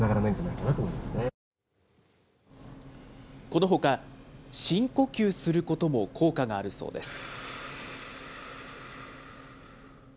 このほか、深呼吸することも効果があるそうです。